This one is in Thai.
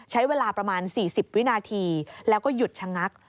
ใช้เวลาประมาณ๔๐วินาทีแล้วก็หยุดชะงัก